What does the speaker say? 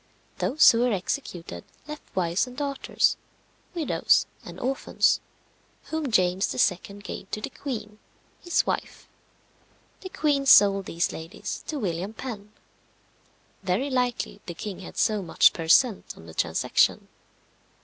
Those who were executed left wives and daughters, widows and orphans, whom James II. gave to the queen, his wife. The queen sold these ladies to William Penn. Very likely the king had so much per cent. on the transaction.